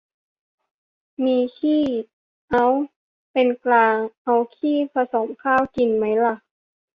มีขี้ เอ้า เป็นกลาง เอาขี้ผสมข้าว กินมั้ยล่ะ